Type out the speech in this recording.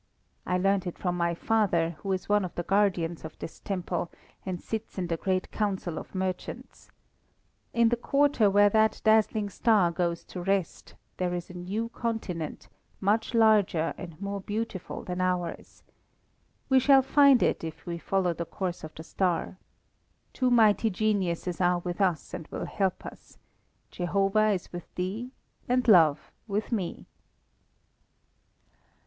I learnt it from my father, who is one of the guardians of this temple, and sits in the great council of merchants. In the quarter where that dazzling star goes to rest, there is a new continent much larger and more beautiful than ours. We shall find it if we follow the course of the star. Two mighty geniuses are with us and will help us: Jehovah is with thee and Love with me!"